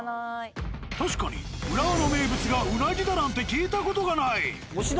確かに浦和の名物がうなぎだなんて聞いた事がない。